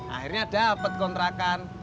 akhirnya dapet kontrakan